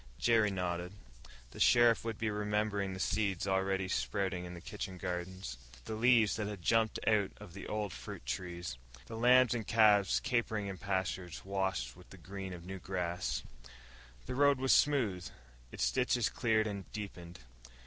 Jerry nodded. The sheriff would be remembering the seeds already sprouting in the kitchen gardens. The leaves that had jumped out on the old fruit trees. The lambs and calves capering in pastures washed with the green of new grass. The road was smooth, its ditches cleared and deepened.